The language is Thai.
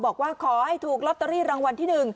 บอกว่าขอให้ถูกลอตเตอรี่รางวัลที่๑